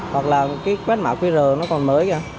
hoặc là cái quét mạng qr nó còn mới kìa